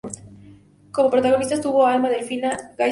Como protagonistas tuvo a Alma Delfina, Jaime Garza.